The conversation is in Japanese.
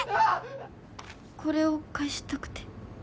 これを返したくて。